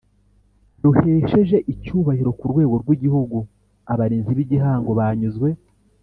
ruhesheje icyubahiro ku rwego rw Igihugu Abarinzi b Igihango banyuzwe